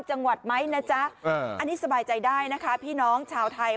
จังหวัดไหมนะจ๊ะอันนี้สบายใจได้นะคะพี่น้องชาวไทย